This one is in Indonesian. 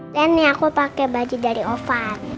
dan ini aku pakai baju dari ovar